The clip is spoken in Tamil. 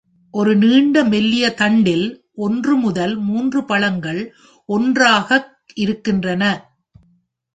ஒரு நீண்ட மெல்லிய தண்டில் ஒன்று முதல் மூன்று பழங்கள் ஒன்றாக் இருக்கின்றன.